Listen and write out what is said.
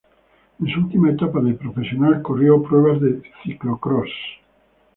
En su última etapa de profesional corrió pruebas de ciclocross.